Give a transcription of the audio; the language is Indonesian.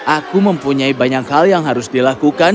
aku mempunyai banyak hal yang harus dilakukan